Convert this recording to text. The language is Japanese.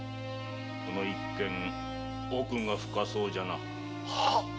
この一件奥が深そうじゃが。